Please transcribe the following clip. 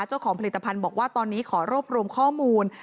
เจ้าของผลิตภัณฑ์บอกว่าตอนนี้ขอรวบรวมข้อมูล